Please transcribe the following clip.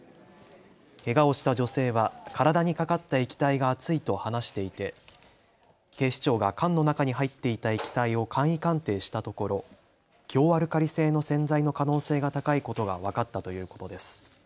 けがをした女性は体にかかった液体が熱いと話していて警視庁が缶の中に入っていた液体を簡易鑑定したところ強アルカリ性の洗剤の可能性が高いことが分かったということです。